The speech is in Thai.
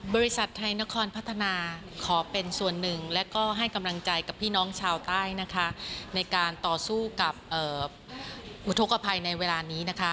บริษัทไทยนครพัฒนาขอเป็นส่วนหนึ่งและก็ให้กำลังใจกับพี่น้องชาวใต้นะคะในการต่อสู้กับอุทธกภัยในเวลานี้นะคะ